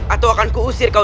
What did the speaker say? atau akan kuhusir kau